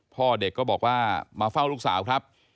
พ่อเด็กก็บอกว่ามาเฝ้าลูกสาวครับ